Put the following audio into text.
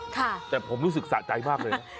แต่ผมรู้สึกสะใจมากเลยนะ